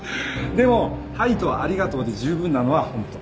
でも「はい」と「ありがとう」で十分なのはホント。